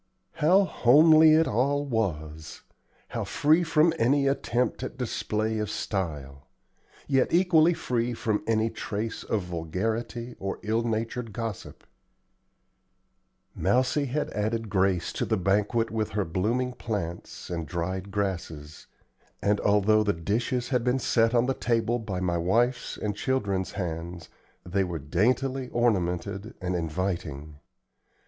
How homely it all was! how free from any attempt at display of style! yet equally free from any trace of vulgarity or ill natured gossip. Mousie had added grace to the banquet with her blooming plants and dried grasses; and, although the dishes had been set on the table by my wife's and children's hands, they were daintily ornamented and inviting.